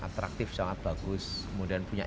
atraktif sangat bagus kemudian punya